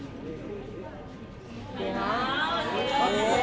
โอเค